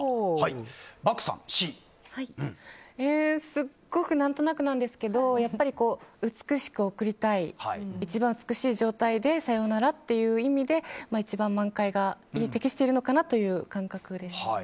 すっごく何となくなんですけど美しく送りたい一番美しい状態でさようならっていう意味で一番満開が適しているのかなという感覚です。